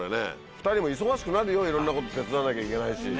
２人も忙しくなるよいろんなこと手伝わなきゃいけないし。